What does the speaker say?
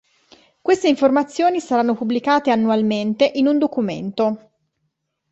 Queste informazioni saranno pubblicate annualmente in un documento.